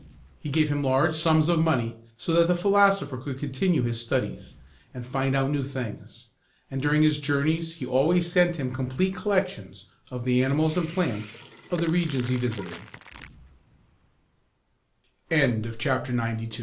He gave him large sums of money, so that the philosopher could continue his studies, and find out new things; and during his journeys he always sent him complete collections of the animals and plants of the region